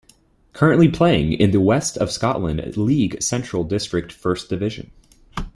Currently playing in the West of Scotland League Central District First Division.